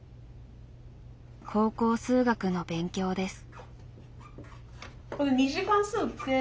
高校数学の勉強です。